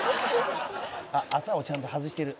「麻をちゃんと外してる」